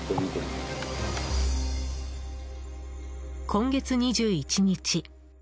今月２１日。